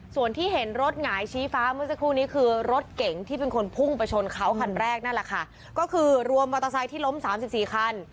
ส่วนที่เห็นรถหงายชี้ฟ้าเมื่อสักครู่นี้คือรถเก๋งที่เป็นคนพุ่งไปชนเขาคันแรกนั่นแหละค่ะก็คือรวมมอเตอร์ไซค์ที่ล้มสามสิบสี่คัน